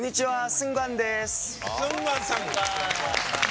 スングァンさん。